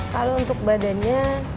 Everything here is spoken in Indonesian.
kalau untuk badannya